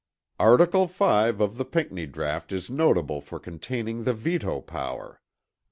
Article 5 of the Pinckney draught is notable for containing the veto power.